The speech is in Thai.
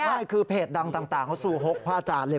ไม่คือเพจดังต่างเขาสู่หกพระอาจารย์เลย